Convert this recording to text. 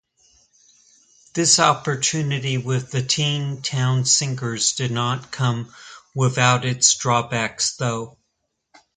This opportunity with the Teen Town Singers did not come without its drawbacks though.